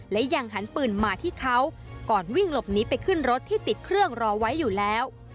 และยังหันปืนมาที่เขาก่อนวิ่งหลบหนีไปขึ้นรถที่ติดเครื่องรอไว้อยู่แล้ว